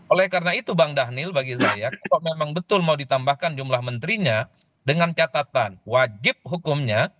oleh karena itu bang dhanil bagi saya kalau memang betul mau ditambahkan jumlah menterinya dengan catatan wajib hukumnya